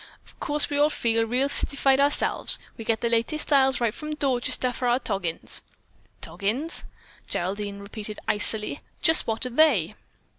"Of course we all feel real citified ourselves. We get the latest styles right from Dorchester for our toggins." "Toggins?" Geraldine repeated icily. "Just what are they?"